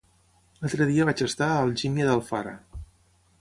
L'altre dia vaig estar a Algímia d'Alfara.